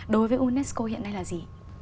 đối với unesco hiện nay là gì